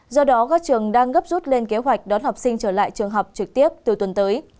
do đó các trường đang gấp rút lên kế hoạch đón học sinh trở lại trường học trực tiếp từ tuần tới